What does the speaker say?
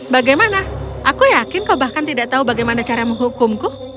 bagaimana aku yakin kau bahkan tidak tahu bagaimana cara menghukumku